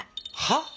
はあ？